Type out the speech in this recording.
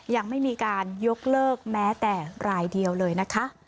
ยังไม่มีการยกเลิกแม้แต่รายเดียวเลยนะคะ